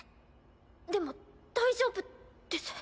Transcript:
でも大丈夫です。